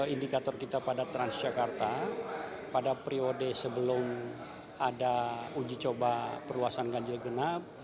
indikator kita pada transjakarta pada periode sebelum ada uji coba perluasan ganjil genap